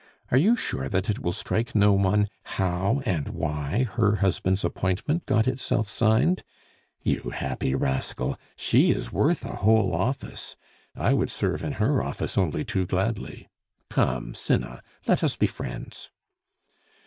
Are you sure that it will strike no one how and why her husband's appointment got itself signed? You happy rascal, she is worth a whole office. I would serve in her office only too gladly. Come, cinna, let us be friends."